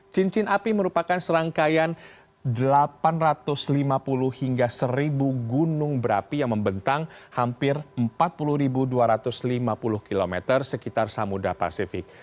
cincin api merupakan serangkaian delapan ratus lima puluh hingga seribu gunung berapi yang membentang hampir empat puluh dua ratus lima puluh km sekitar samudera pasifik